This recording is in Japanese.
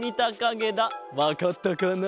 わかったかな？